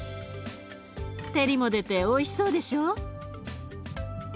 照りも出ておいしそうでしょ？